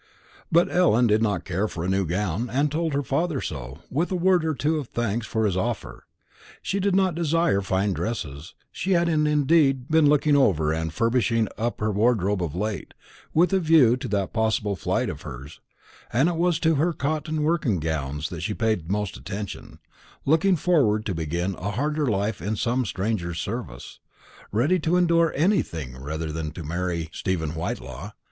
But Ellen did not care for a new gown, and told her father so, with a word or two of thanks for his offer. She did not desire fine dresses; she had indeed been looking over and furbishing up her wardrobe of late, with a view to that possible flight of hers, and it was to her cotton working gowns that she had paid most attention: looking forward to begin a harder life in some stranger's service ready to endure anything rather than to marry Stephen Whitelaw.